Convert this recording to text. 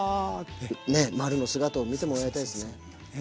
ねっまるの姿を見てもらいたいですね。